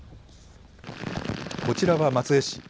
こちらは松江市。